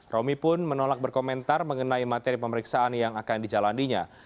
romi pun menolak berkomentar mengenai materi pemeriksaan yang akan dijalannya